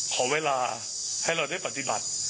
ขอเวลาให้เราได้ปฏิบัติ